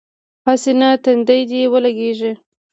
هسې نه تندی دې ولګېږي.